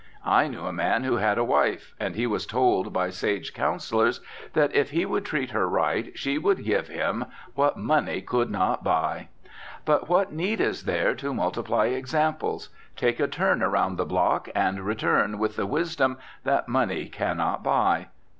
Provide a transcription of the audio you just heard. I knew a man who had a wife; and he was told by sage counsellors that if he would treat her right she would give him "what money could not buy." But what need is there to multiply examples? Take a turn around the block and return with the wisdom that money can not buy.